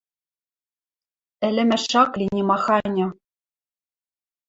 Ӹлӹмӓш ак ли нимаханьы